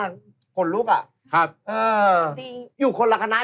อ่าอ่าอ่า